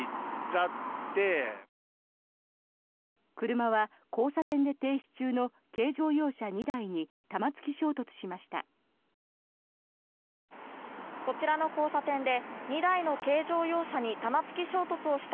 車は交差点で停止中の軽乗用車２台に玉突き衝突しました。